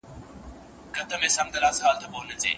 د وژل سوي کس کورنۍ قاتل ته عفو نه ده کړې.